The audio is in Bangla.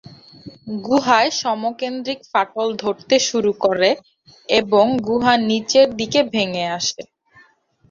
গুহায় সমকেন্দ্রীয় ফাটল ধরতে শুরু করে করে এবং গুহা নিচের দিকে ভেঙে আসে।